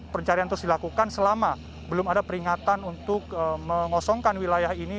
pencarian terus dilakukan selama belum ada peringatan untuk mengosongkan wilayah ini